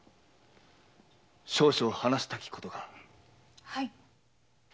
少々話したきことがある。